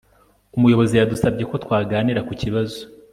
umuyobozi yadusabye ko twakaganira ku kibazo